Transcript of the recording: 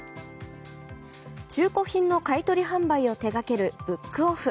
中古品の買い取り販売を手掛けるブックオフ。